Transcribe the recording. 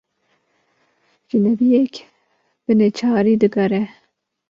Jinebiyek bi neçarî diğere